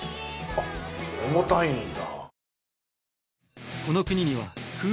あっ重たいんだ。